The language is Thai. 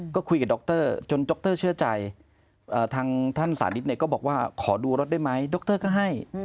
โดคเตอร์เชื่อใจทางท่านศาลิทเนี่ยก็บอกว่าขอดูรถได้ไหมโดคเตอร์ก็ให้